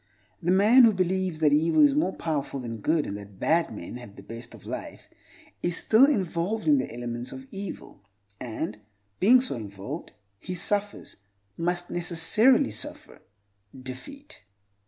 The man who believes that evil is more powerful than good, and that bad men have the best of life, is still involved in the elements of evil; and, being so involved, he suffers—must necessarily suffer—defeat.